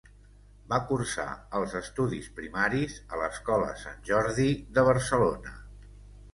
Va cursar els estudis primaris a l’Escola Sant Jordi de Barcelona.